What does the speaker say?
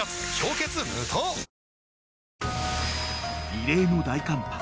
［異例の大寒波